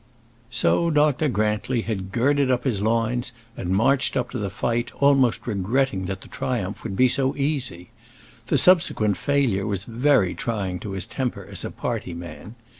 So Dr. Grantly had girded up his loins and marched up to the fight, almost regretting that the triumph would be so easy. The subsequent failure was very trying to his temper as a party man.